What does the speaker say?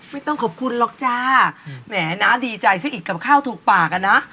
ไม่ต้องขอบคุณหรอกจ้าแหมน้าดีใจซะอีกกับข้าวถูกปากอ่ะนะ